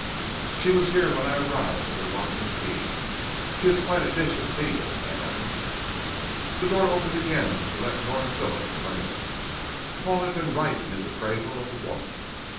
"She was here when I arrived under lock and key. She is quite a dish of tea, old man." The door opened again to let Nora Phillips come in. Paul had been right in his appraisal of the woman.